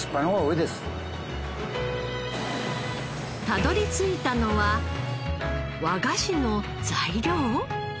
たどり着いたのは和菓子の材料？